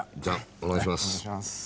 お願いします。